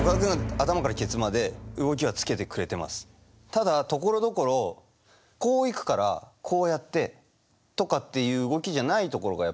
ただところどころこう行くからこうやってとかっていう動きじゃないところがやっぱりあって。